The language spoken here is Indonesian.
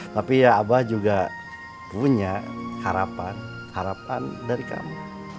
tapi ya abah juga punya harapan harapan dari kamu